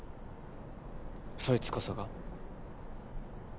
そいつこそが？